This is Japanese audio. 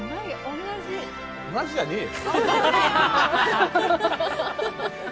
同じじゃねえよ。